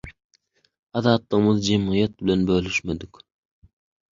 Azatlygymyzy jemgyýet bilen bölüşmedik.